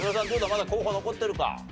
まだ候補残ってるか？